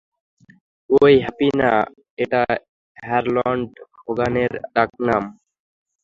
ঐ হ্যাপি না, এটা হ্যারল্ড হোগানের ডাকনাম।